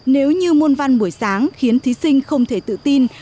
nếu như môn văn buổi sáng khiến thí sinh không thể tự tin